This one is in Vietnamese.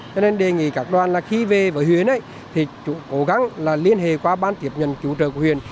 cho nên đề nghị các đoàn là khi về với huyền thì cố gắng liên hệ qua bán kiệp nhận cứu trợ của huyền